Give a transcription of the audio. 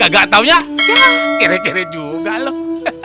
gak tau ya kire kire juga loh